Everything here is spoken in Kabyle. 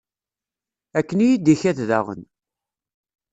Akken i yi-d-ikad daɣen.